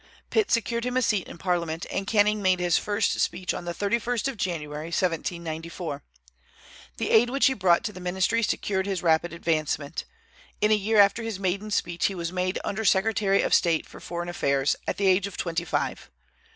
Pitt secured him a seat in Parliament, and Canning made his first speech on the 31st of January, 1794. The aid which he brought to the ministry secured his rapid advancement. In a year after his maiden speech he was made under secretary of state for foreign affairs, at the age of twenty five.